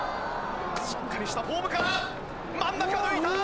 しっかりしたフォームから真ん中抜いたー！